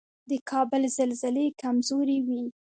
د کابل زلزلې کمزورې وي